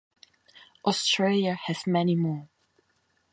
Australia has many more.